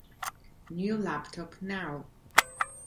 New laptop now